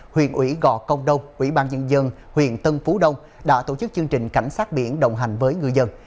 huyện ủy gò công đông huyện ban dân dân huyện tân phú đông đã tổ chức chương trình cảnh sát biển đồng hành với người dân